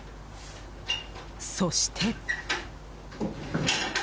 そして。